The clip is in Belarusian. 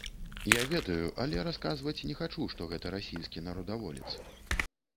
Я ведаю, але расказваць не хачу, што гэта расійскі нарадаволец.